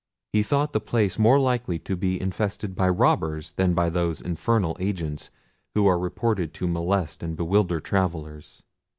He thought the place more likely to be infested by robbers than by those infernal agents who are reported to molest and bewilder travellers.